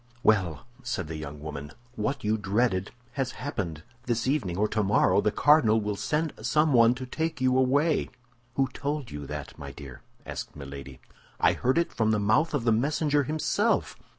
"Well," said the young woman, "what you dreaded has happened. This evening, or tomorrow, the cardinal will send someone to take you away." "Who told you that, my dear?" asked Milady. "I heard it from the mouth of the messenger himself."